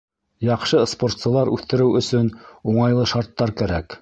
Яҡшы спортсылар үҫтереү өсөн уңайлы шарттар кәрәк.